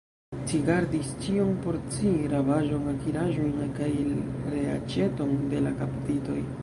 Ci gardis ĉion por ci, rabaĵon, akiraĵojn, kaj reaĉeton de la kaptitoj!